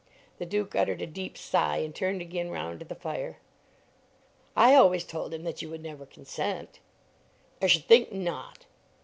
The Duke uttered a deep sigh and turned again round to the fire. "I always told him that you would never consent." "I should think not."